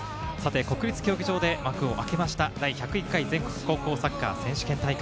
国立競技場で幕を開けた第１０１回全国高校サッカー選手権大会。